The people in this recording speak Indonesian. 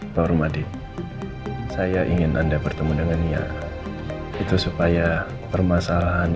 ada pertemu dengan nyari itu supaya permasalahan yang paling vision kami mgmp sentuhnya akan speziek maxter to